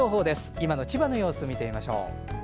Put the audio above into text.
今の千葉の様子見てみましょう。